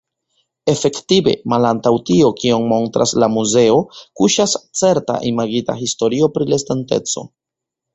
Efektive, malantaŭ tio kion montras la muzeo, kuŝas certa imagita historio pri la estonteco.